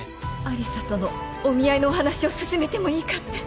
有沙とのお見合いの話を進めてもいいかって。